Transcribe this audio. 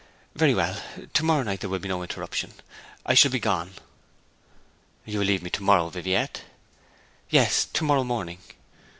'Very well. To morrow night there will be no interruption. I shall be gone.' 'You leave me to morrow, Viviette?' 'Yes; to morrow morning.'